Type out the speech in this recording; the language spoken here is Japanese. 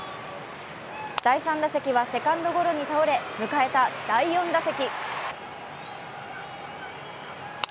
第３打席はセカンドゴロに倒れ迎えた第４打席。